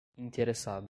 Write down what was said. interessado